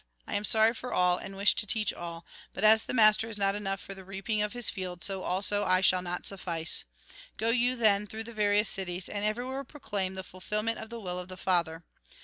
I am sorry for all ; and wish to teach all. But as the master is not enough for the reaping of his field, so also I shall not sufiice. Go you, then, 72 THE GOSPEL IN BRIEF through the various cities, and everywhere proclaiiii the fulfilment of the will of the Father.